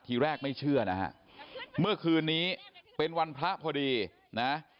ทีแรกไม่เชื่อนะฮะเมื่อคืนนี้เป็นวันพระพอดีนะ